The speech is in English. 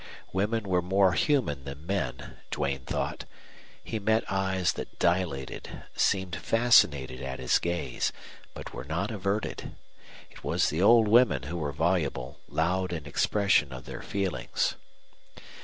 Women were more human than men, Duane thought. He met eyes that dilated, seemed fascinated at his gaze, but were not averted. It was the old women who were voluble, loud in expression of their feelings.